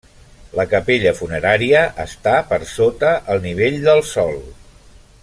La capella funerària està per sota el nivell del sòl.